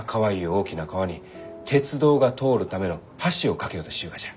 大きな川に鉄道が通るための橋を架けようとしゆうがじゃ。